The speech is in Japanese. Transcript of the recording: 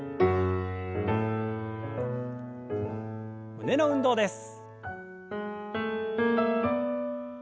胸の運動です。